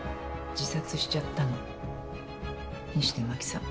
自殺しちゃったの西田真紀さん。